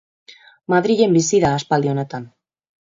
Madrilen bizi da aspaldi honetan.